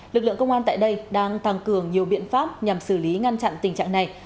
lực lượng công an tại đây đang tăng cường nhiều biện pháp nhằm xử lý ngăn chặn tình trạng này